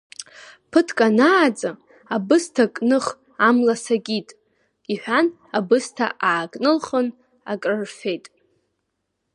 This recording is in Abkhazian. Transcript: Ԥыҭк анааҵы, абысҭа кных, амла сакит, — иҳәан, абысҭа аакнылхын акрырфеит.